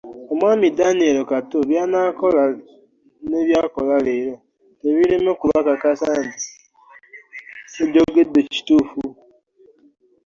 Omwami Danieli Kato by'anaakola ne by'akola leero, tebiireme okubakakasisa nti kye njogeddeko kituufu.